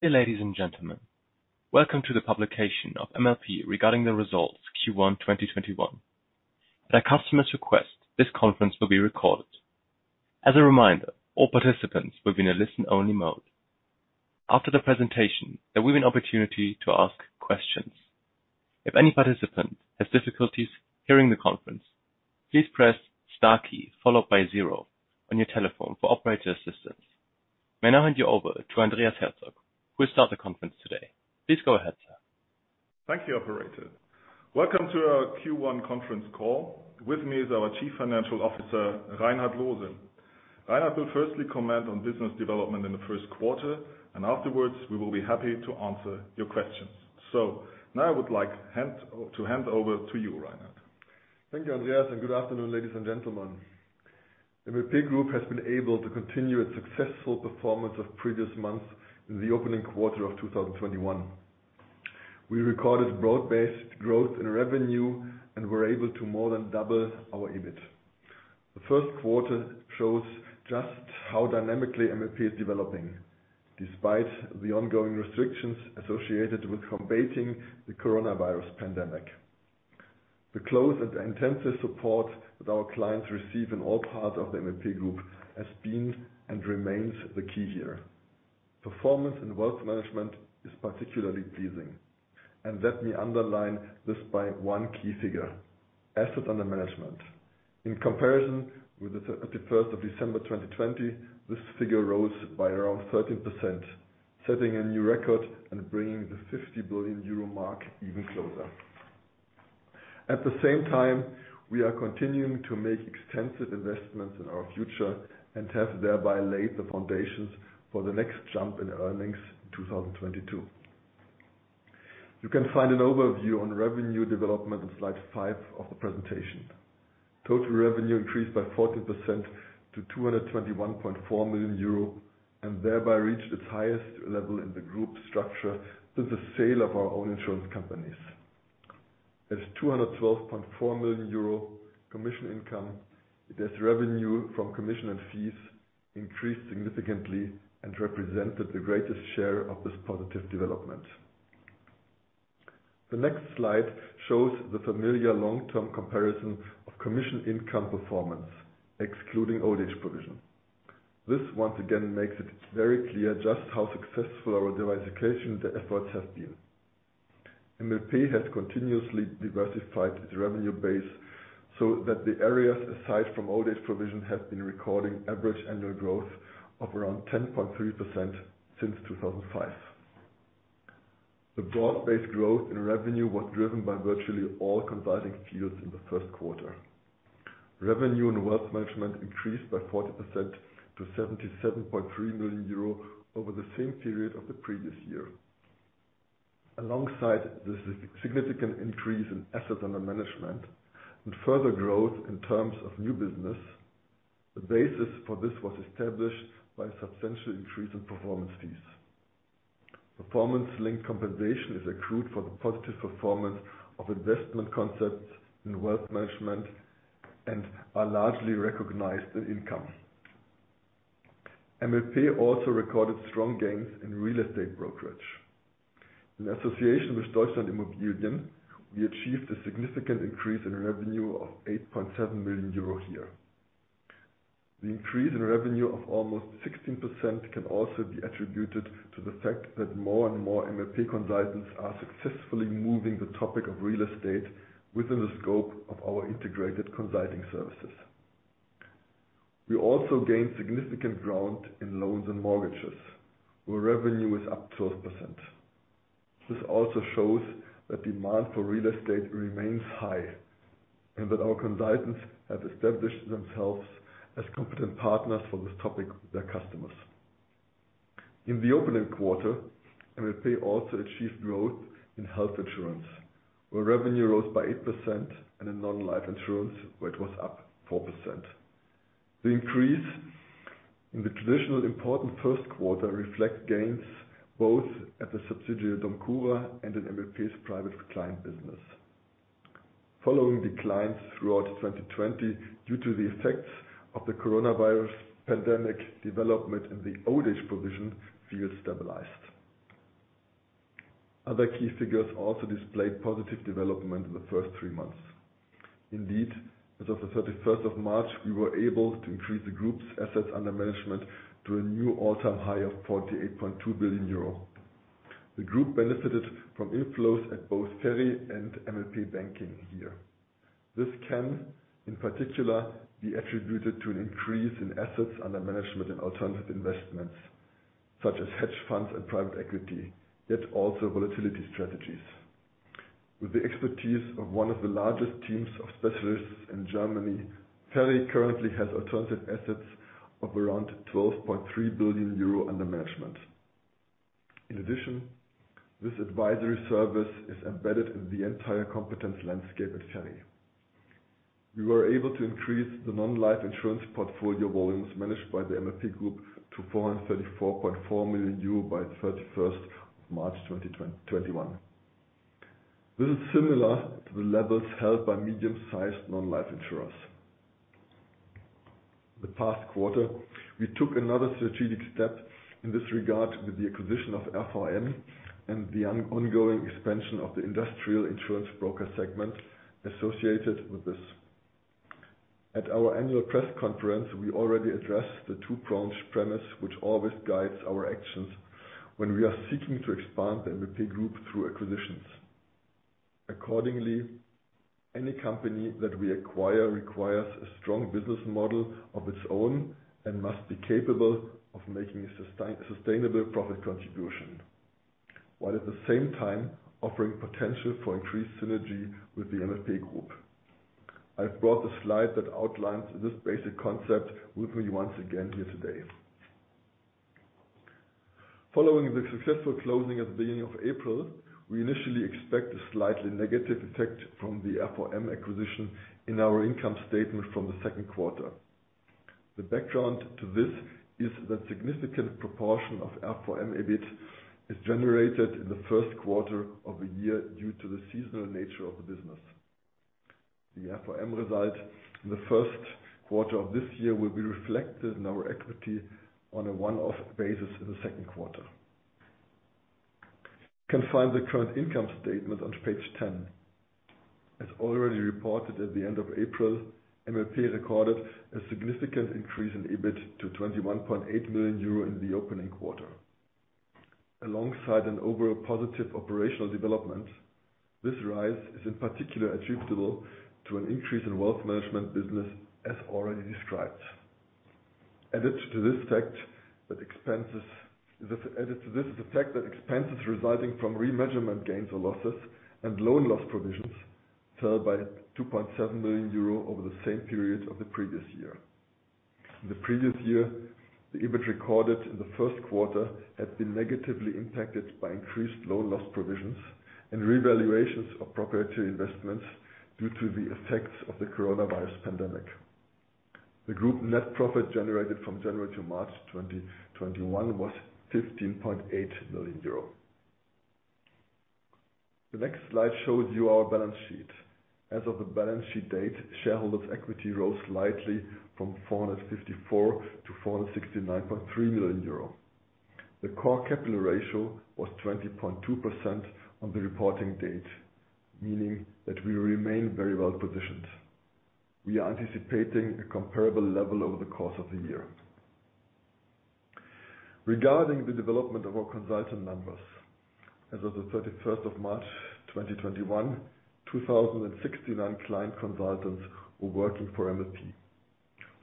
Ladies and gentlemen, welcome to the publication of MLP regarding the results Q1 2021. At the customer's request, this conference will be recorded. As a reminder, all participants will be in a listen-only mode. After the presentation, there will be an opportunity to ask questions. If any participant has difficulties during the conference, please press star key followed by zero in your telephone for operator assistance. May now hand you over to Andreas Herzog, who will start the conference today. Please go ahead, sir. Thank you, operator. Welcome to our Q1 conference call. With me is our Chief Financial Officer, Reinhard Loose. Reinhard will firstly comment on business development in the first quarter, and afterwards, we will be happy to answer your questions. Now, I would like to hand over to you, Reinhard. Thank you, Andreas, and good afternoon, ladies and gentlemen. MLP Group has been able to continue its successful performance of previous months in the opening quarter of 2021. We recorded broad-based growth in revenue and were able to more than double our EBIT. The first quarter shows just how dynamically MLP is developing despite the ongoing restrictions associated with combating the coronavirus pandemic. The close and intensive support that our clients receive in all parts of the MLP Group has been and remains the key here. Performance in wealth management is particularly pleasing, and let me underline this by one key figure, assets under management. In comparison with the 31st of December 2020, this figure rose by around 13%, setting a new record and bringing the 50 billion euro mark even closer. At the same time, we are continuing to make extensive investments in our future and have thereby laid the foundations for the next jump in earnings in 2022. You can find an overview on revenue development on slide five of the presentation. Total revenue increased by 14% to 221.4 million euro and thereby reached its highest level in the group structure since the sale of our own insurance companies. As 212.4 million euro commission income, it is revenue from commission and fees increased significantly and represented the greatest share of this positive development. The next slide shows the familiar long-term comparison of commission income performance, excluding old-age provision. This once again makes it very clear just how successful our diversification efforts have been. MLP has continuously diversified its revenue base so that the areas aside from old-age provision have been recording average annual growth of around 10.3% since 2005. The broad-based growth in revenue was driven by virtually all consulting fields in the first quarter. Revenue in wealth management increased by 40% to 77.3 million euro over the same period of the previous year. Alongside this significant increase in assets under management and further growth in terms of new business, the basis for this was established by a substantial increase in performance fees. Performance-linked compensation is accrued for the positive performance of investment concepts in wealth management and are largely recognized in income. MLP also recorded strong gains in real estate brokerage. In association with Deutschland.Immobilien, we achieved a significant increase in revenue of 8.7 million euro here. The increase in revenue of almost 16% can also be attributed to the fact that more and more MLP consultants are successfully moving the topic of real estate within the scope of our integrated consulting services. We also gained significant ground in loans and mortgages, where revenue is up 12%. This also shows that demand for real estate remains high and that our consultants have established themselves as competent partners for this topic with their customers. In the opening quarter, MLP also achieved growth in health insurance, where revenue rose by 8%, and in non-life insurance, where it was up 4%. The increase in the traditional important first quarter reflect gains both at the subsidiary, DOMCURA, and in MLP's private client business. Following declines throughout 2020 due to the effects of the coronavirus pandemic development in the old-age provision, field stabilized. Other key figures also displayed positive development in the first three months. Indeed, as of the 31st of March, we were able to increase the group's assets under management to a new all-time high of 48.2 billion euro. The MLP Group benefited from inflows at both FERI and MLP Banking here. This can, in particular, be attributed to an increase in assets under management in alternative investments, such as hedge funds and private equity, yet also volatility strategies. With the expertise of one of the largest teams of specialists in Germany, FERI currently has alternative assets of around 12.3 billion euro under management. In addition, this advisory service is embedded in the entire competence landscape at FERI. We were able to increase the non-life insurance portfolio volumes managed by the MLP Group to 434.4 million euro by 31st of March 2021. This is similar to the levels held by medium-sized non-life insurers. The past quarter, we took another strategic step in this regard with the acquisition of FOM and the ongoing expansion of the industrial insurance broker segment associated with this. At our annual press conference, we already addressed the two-pronged premise which always guides our actions when we are seeking to expand the MLP Group through acquisitions. Accordingly, any company that we acquire requires a strong business model of its own and must be capable of making a sustainable profit contribution, while at the same time offering potential for increased synergy with the MLP Group. I've brought the slide that outlines this basic concept with me once again here today. Following the successful closing at the beginning of April, we initially expect a slightly negative effect from the FOM acquisition in our income statement from the second quarter. The background to this is that significant proportion of FOM EBIT is generated in the first quarter of a year due to the seasonal nature of the business. The FOM result in the first quarter of this year will be reflected in our equity on a one-off basis in the second quarter. You can find the current income statement on page 10. As already reported at the end of April, MLP recorded a significant increase in EBIT to 21.8 million euro in the opening quarter. Alongside an overall positive operational development, this rise is in particular attributable to an increase in wealth management business, as already described. Added to this is the fact that expenses resulting from remeasurement gains or losses and loan loss provisions fell by 2.7 million euro over the same period of the previous year. In the previous year, the EBIT recorded in the first quarter had been negatively impacted by increased loan loss provisions and revaluations of proprietary investments due to the effects of the coronavirus pandemic. The group net profit generated from January to March 2021 was 15.8 million euro. The next slide shows you our balance sheet. As of the balance sheet date, shareholders' equity rose slightly from 454 million to 469.3 million euro. The core capital ratio was 20.2% on the reporting date, meaning that we remain very well-positioned. We are anticipating a comparable level over the course of the year. Regarding the development of our consultant numbers. As of the 31st of March 2021, 2,069 client consultants were working for MLP.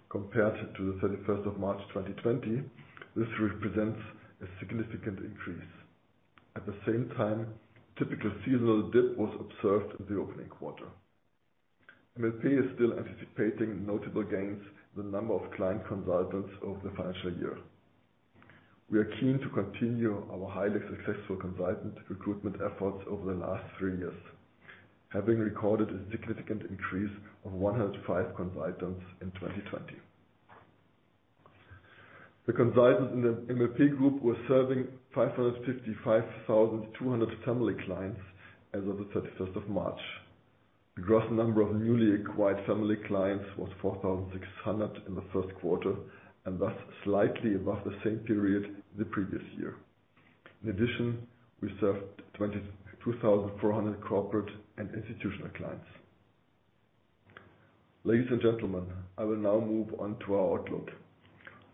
Compared to the 31st of March 2020, this represents a significant increase. At the same time, typical seasonal dip was observed in the opening quarter. MLP is still anticipating notable gains in the number of client consultants over the financial year. We are keen to continue our highly successful consultant recruitment efforts over the last three years, having recorded a significant increase of 105 consultants in 2020. The consultants in the MLP Group were serving 555,200 family clients as of the 31st of March. The gross number of newly acquired family clients was 4,600 in the first quarter, and thus slightly above the same period the previous year. In addition, we served 22,400 corporate and institutional clients. Ladies and gentlemen, I will now move on to our outlook.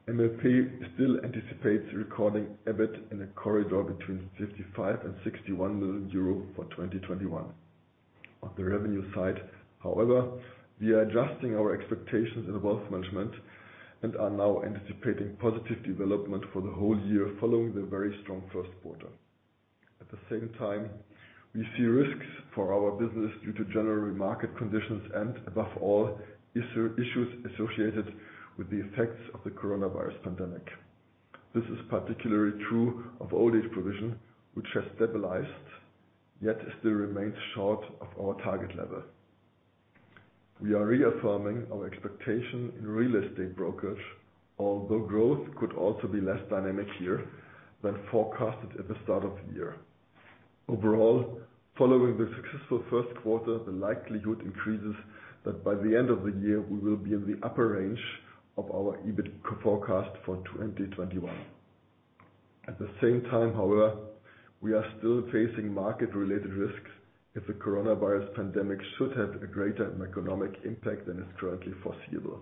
MLP still anticipates recording EBIT in a corridor between 55 million and 61 million euro for 2021. On the revenue side, however, we are adjusting our expectations in wealth management and are now anticipating positive development for the whole year following the very strong first quarter. At the same time, we see risks for our business due to general market conditions and above all, issues associated with the effects of the coronavirus pandemic. This is particularly true of old-age provision, which has stabilized, yet still remains short of our target level. We are reaffirming our expectation in real estate brokerage, although growth could also be less dynamic here than forecasted at the start of the year. Overall, following the successful first quarter, the likelihood increases that by the end of the year, we will be in the upper range of our EBIT forecast for 2021. At the same time, however, we are still facing market-related risks if the coronavirus pandemic should have a greater macroeconomic impact than is currently foreseeable.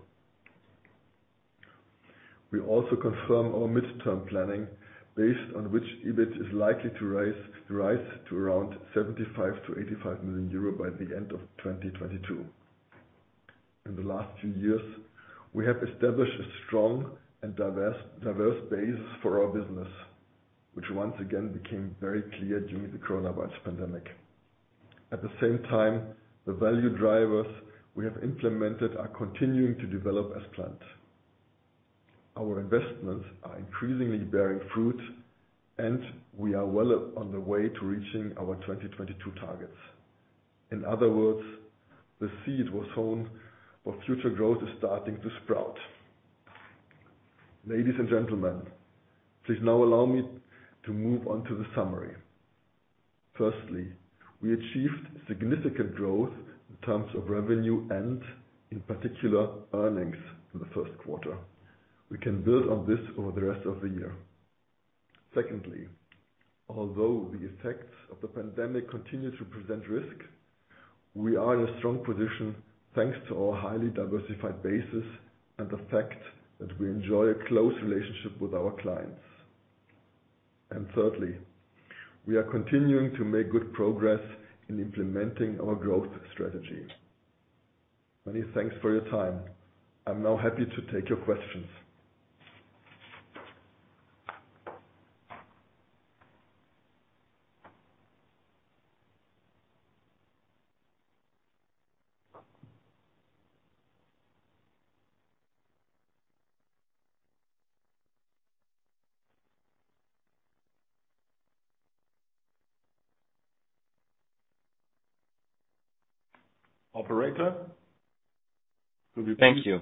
We also confirm our midterm planning based on which EBIT is likely to rise to around 75 million-85 million euro by the end of 2022. In the last few years, we have established a strong and diverse basis for our business, which once again became very clear during the coronavirus pandemic. At the same time, the value drivers we have implemented are continuing to develop as planned. Our investments are increasingly bearing fruit, and we are well on the way to reaching our 2022 targets. In other words, the seed was sown, but future growth is starting to sprout. Ladies and gentlemen, please now allow me to move on to the summary. Firstly, we achieved significant growth in terms of revenue and in particular earnings in the first quarter. We can build on this over the rest of the year. Secondly, although the effects of the pandemic continue to present risk, we are in a strong position thanks to our highly diversified basis and the fact that we enjoy a close relationship with our clients. Thirdly, we are continuing to make good progress in implementing our growth strategy. Many thanks for your time. I'm now happy to take your questions. Operator, could we please- Thank you.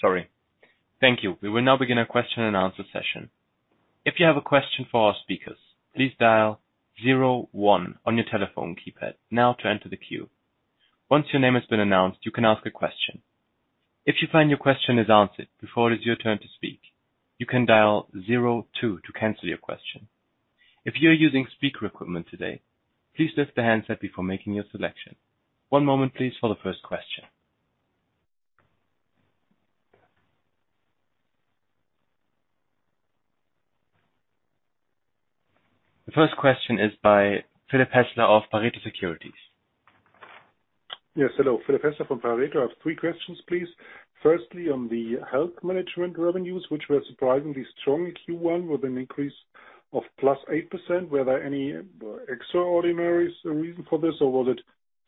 Sorry. Thank you. We will now begin our question and answer session. If you have a question for our speaker, please dial zero one on your telephone keypad now to enter the queue. Once your name has been announced, you can ask your question. If you found your question has been answered before its your turn to speak, you can dial zero two to cancel your question. If you are using speaker equipment today, please lift the handset before making your selection. One moment please for the first question. The first question is by Philipp Hässler of Pareto Securities. Yes. Hello, Philipp Hässler from Pareto. I have three questions, please. Firstly, on the health management revenues, which were surprisingly strong in Q1 with an increase of +8%. Were there any extraordinary reason for this, or was it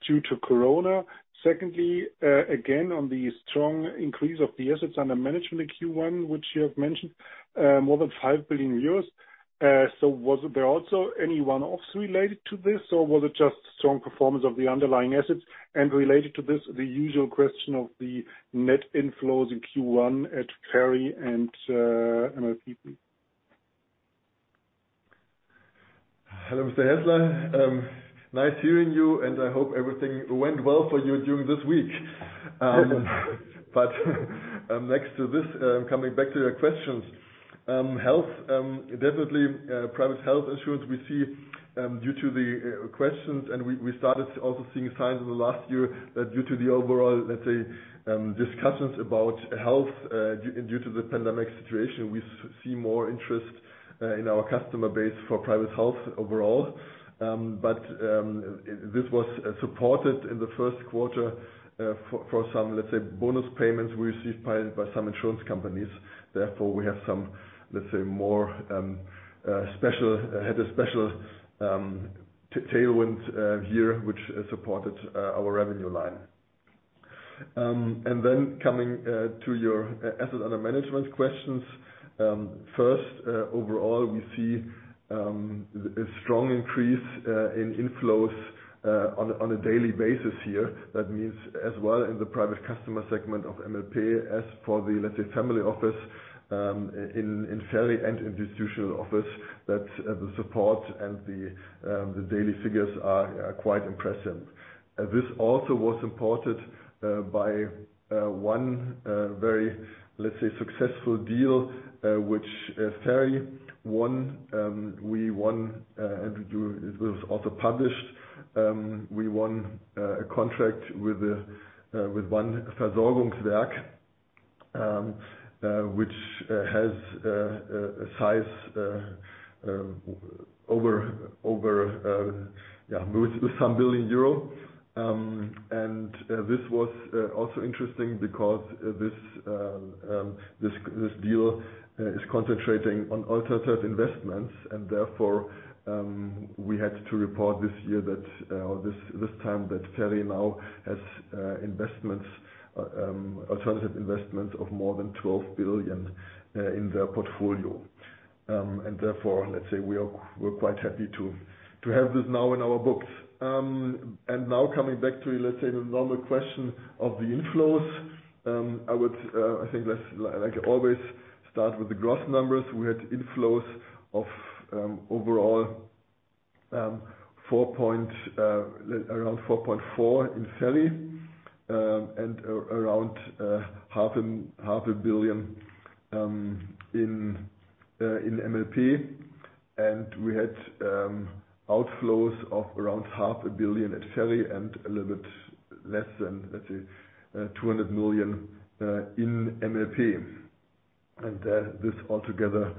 due to corona? Secondly, again, on the strong increase of the assets under management in Q1, which you have mentioned, more than 5 billion euros. Was there also any one-offs related to this or was it just strong performance of the underlying assets? Related to this, the usual question of the net inflows in Q1 at FERI and MLP?. Hello, Mr. Hässler. Nice hearing you, and I hope everything went well for you during this week. Yes. Next to this, coming back to your questions. Health, definitely private health insurance we see due to the questions and we started also seeing signs in the last year that due to the overall, let's say, discussions about health due to the pandemic situation, we see more interest in our customer base for private health overall. This was supported in the first quarter for some, let's say, bonus payments we received by some insurance companies. Therefore, we have some, let's say, had a special tailwind here, which supported our revenue line. Then, coming to your assets under management questions. First, overall, we see a strong increase in inflows on a daily basis here. That means as well in the private customer segment of MLP, as for the, let's say, family office in FERI and institutional office, that the support and the daily figures are quite impressive. This also was supported by one very, let's say, successful deal, which FERI won. We won and it was also published. We won a contract with [inaudible] which has a size with some billion euro. This was also interesting because this deal is concentrating on alternative investments and therefore, we had to report this time that FERI now has alternative investments of more than 12 billion in their portfolio. Therefore, let's say we're quite happy to have this now in our books. Now coming back to, let's say, the normal question of the inflows. I think like always, start with the gross numbers. We had inflows of overall around 4.4 billion in FERI, and around 0.5 billion in MLP. We had outflows of around 0.5 billion at FERI and a little bit less than, let's say, 200 million in MLP. This altogether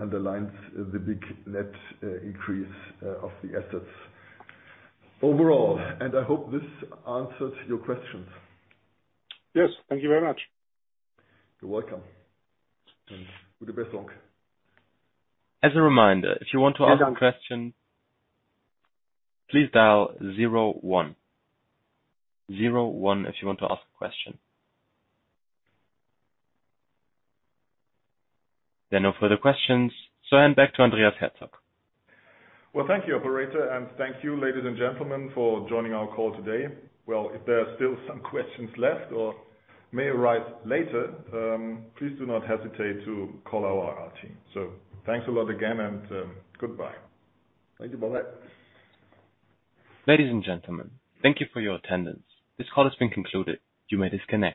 underlines the big net increase of the assets overall and I hope this answers your questions. Yes. Thank you very much You're welcome. As a reminder, if you want to ask a question, please dial zero one. Zero one if you want to ask a question. There are no further questions, so I hand back to Andreas Herzog. Well, thank you, operator, and thank you, ladies and gentlemen, for joining our call today. Well, if there are still some questions left or may arise later, please do not hesitate to call our team. Thanks a lot again, and goodbye. Thank you. Bye-bye. Ladies and gentlemen, thank you for your attendance. This call has been concluded. You may disconnect.